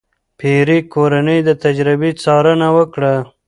پېیر کوري د تجربې څارنه وکړه.